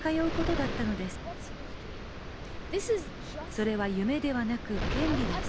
それは夢ではなく権利です。